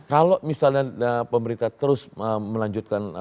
kalau misalnya pemerintah terus melanjutkan